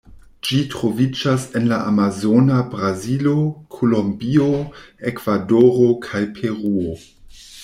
Ĝi troviĝas en la amazona Brazilo, Kolombio, Ekvadoro kaj Peruo.